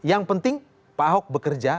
yang penting pak ahok bekerja